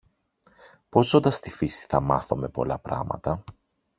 πως ζώντας στη φύση θα μάθομε πολλά πράματα;